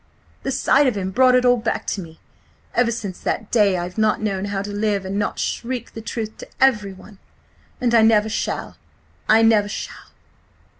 The sight of him brought it all back to me. Ever since that day I have not known how to live and not shriek the truth to everyone! And I never shall! I never shall!"